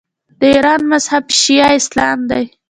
د ایران مذهب شیعه اسلام دی.